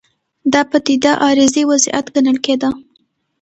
دا پدیده عارضي وضعیت ګڼل کېده.